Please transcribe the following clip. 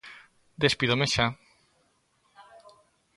Despídome xa.